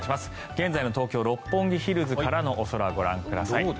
現在の東京・六本木ヒルズからのお空ご覧ください。